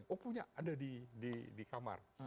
oh punya ada di kamar